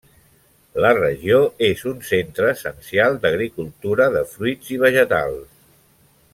La regió és un centre essencial d'agricultura de fruits i vegetals.